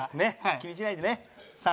気にしないでね「さん」。